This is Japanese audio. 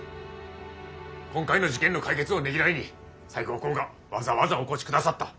今回の事件の解決をねぎらいに西郷公がわざわざお越しくださった。